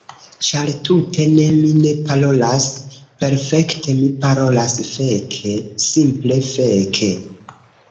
Ĉar tute ne, mi ne parolas perfekte, mi parolas feke! Simple feke!